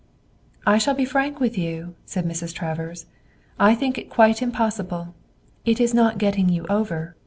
"I shall be frank with you," said Mrs. Travers. "I think it quite impossible. It is not getting you over.